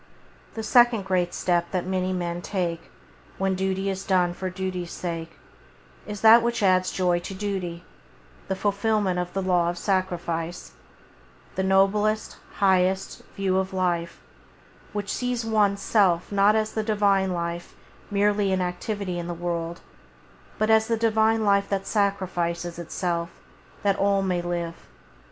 The second great step that men may take, when duty is done for duty's sake, is that which adds joy to duty — the fulfilment of the Law of Sacrifice; that noblest, highest, view of life, which sees one's self not as the Divine Life merely in activity in the world, but as the Divine Life that sacrifices Itself that all may live.